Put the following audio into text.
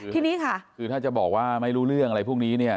ทีนี้ค่ะคือถ้าจะบอกว่าไม่รู้เรื่องอะไรพวกนี้เนี่ย